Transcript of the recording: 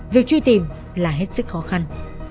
việc truy tìm là hết sức khó khăn